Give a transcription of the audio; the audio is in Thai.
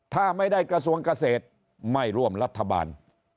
ถ้าไม่ได้กระทรวงเกษตรไม่ร่วมรัฐบาล